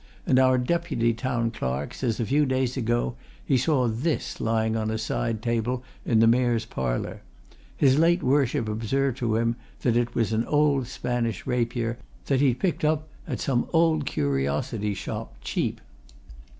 And our deputy Town Clerk says that a few days ago he saw this lying on a side table in the Mayor's Parlour his late Worship observed to him that it was an old Spanish rapier that he'd picked up at some old curiosity shop cheap."